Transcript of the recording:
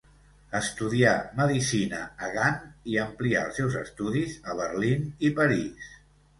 Estudià medicina a Gant i amplià els seus estudis a Berlín i París.